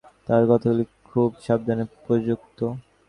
তাঁহার কথাগুলি খুব সাবধানে প্রযুক্ত।